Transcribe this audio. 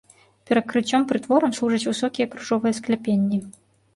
Перакрыццем прытворам служаць высокія крыжовыя скляпенні.